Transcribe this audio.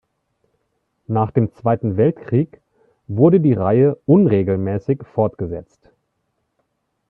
Nach dem Zweiten Weltkrieg wurde die Reihe unregelmäßig fortgesetzt.